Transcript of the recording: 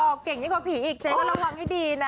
เก่งยิ่งกว่าผีอีกเจ๊ก็ระวังให้ดีนะ